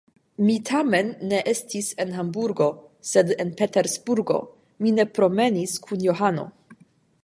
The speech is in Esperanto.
Mi tamen ne estis en Hamburgo, sed en Patersburgo; mi ne promenis kun Johano.